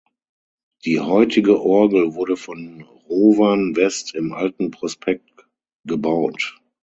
Die heutige Orgel wurde von Rowan West im alten Prospekt gebaut.